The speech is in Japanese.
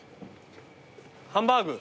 ハンバーグ。